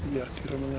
iya di rumahnya itu